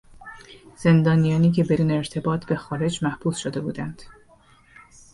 زندانیانی که بدون ارتباط به خارج محبوس شده بودند